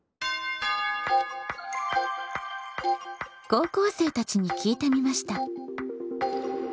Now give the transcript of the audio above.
高校生たちに聞いてみました。